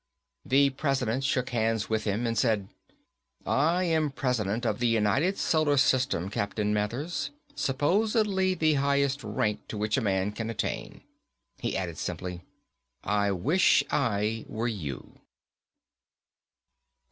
The President shook hands with him and said, "I am President of the United Solar System, Captain Mathers, supposedly the highest rank to which a man can attain." He added simply, "I wish I were you."